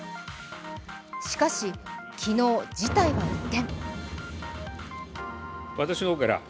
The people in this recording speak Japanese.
しかし昨日、事態は一転。